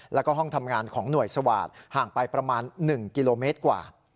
แล้วก็ห้องทำงานของหน่วยสวาสตห่างไปประมาณ๑กิโลเมตรกว่า